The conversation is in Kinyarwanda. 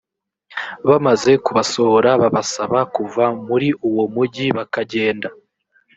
bamaze kubasohora babasaba kuva muri uwo mugi bakagenda